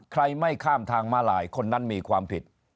ไม่ข้ามทางมาลายคนนั้นมีความผิด